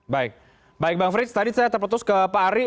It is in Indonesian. baik baik bang frits tadi saya terputus ke pak ari